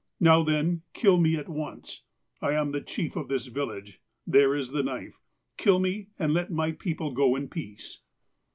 K'ow, then, kill me at once. I am the chief of this vil lage. There is the knife. Kill me, and let my people go in peace."